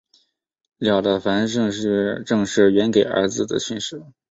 了凡四训正是袁要给儿子的训示。